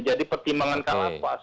jadi pertimbangankan lapas